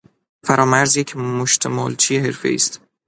فرامرز یک مشتمالچی حرفهای است